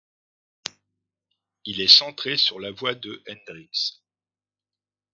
Il est centré sur la voix de Hendrix.